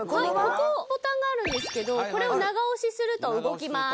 ここボタンがあるんですけどこれを長押しすると動きます。